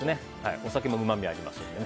お酒もうまみがありますからね。